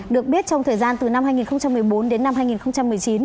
được biết trong thời gian từ năm hai nghìn một mươi bốn đến năm hai nghìn một mươi chín